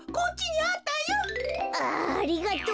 あありがとう！